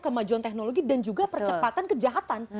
kemajuan teknologi dan juga percepatan kejahatan